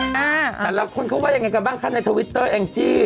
แต่ละคนเขาว่ายังไงกันบ้างคะในทวิตเตอร์แองจี้